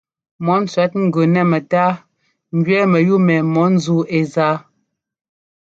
Mɔ ńtsẅɛt ŋ gʉ nɛ mɛtáa ŋgẅɛɛ mɛyúu mɛ mɔ ńzúu ɛ́ záa.